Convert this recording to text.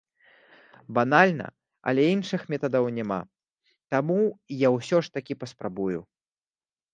Банальна, але іншых метадаў няма, таму я ўсё ж такі паспрабую.